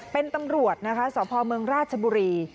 เป็นตำรวจนะคะสพเมืองราชบุรี